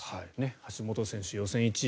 橋本選手、予選１位。